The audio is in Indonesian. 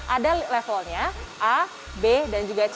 ada levelnya a b dan juga c